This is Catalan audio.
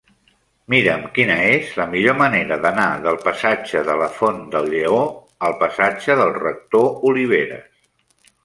Mira'm quina és la millor manera d'anar del passatge de la Font del Lleó al passatge del Rector Oliveras.